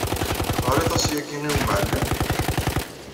Teɣriḍ-as yagi i wemɛellem?